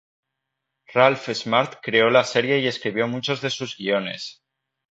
Ralph Smart creó la serie y escribió muchos de sus guiones.